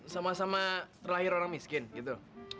sama sama terlahir orang miskin gitu